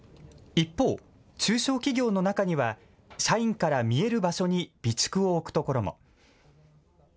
一方、中小企業の中には社員から見える場所に備蓄を置くところも。